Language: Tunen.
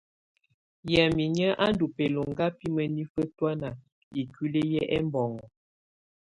Yamɛ̀á inƴǝ́ á ndù bɛlɔŋga bi mǝnifǝ tɔ̀ána ikuili yɛ ɛmbɔŋɔ.